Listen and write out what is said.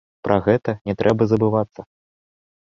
Пра гэта не трэба забывацца.